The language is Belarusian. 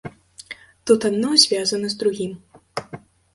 Тут адно звязана з другім.